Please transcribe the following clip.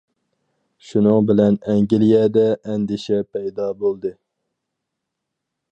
شۇنىڭ بىلەن ئەنگلىيەدە ئەندىشە پەيدا بولدى.